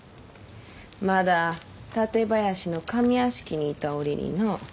まだ館林の上屋敷にいた折にの。